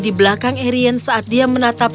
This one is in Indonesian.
di belakang arien saat dia menatap